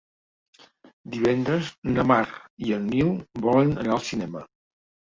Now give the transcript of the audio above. Divendres na Mar i en Nil volen anar al cinema.